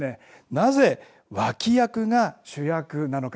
なぜ脇役が主役なのか。